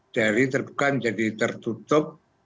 dari terbuka menjadi tertutup